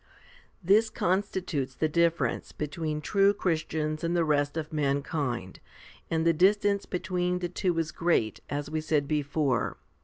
1 4. This constitutes the difference between true Christians and the rest of mankind, and the distance between the two is great, as we said before.